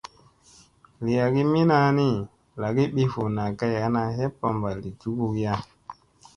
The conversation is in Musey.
Li agi minaa ni, lagi ɓivunna kay ana heppa mbaa li dugugiya.